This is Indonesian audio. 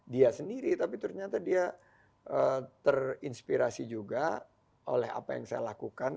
dia sendiri tapi ternyata dia terinspirasi juga oleh apa yang saya lakukan